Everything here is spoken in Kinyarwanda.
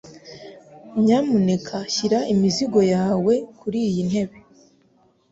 Nyamuneka shyira imizigo yawe kuriyi ntebe